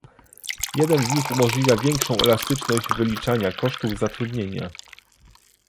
Jeden z nich umożliwia większą elastyczność wyliczania kosztów zatrudnienia